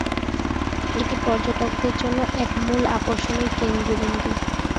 এটি পর্যটকদের জন্য এক মূল আকর্ষণের কেন্দ্রবিন্দু।